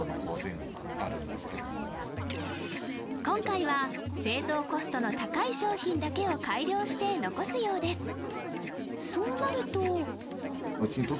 今回は製造コストの高い商品だけを改良して残すようです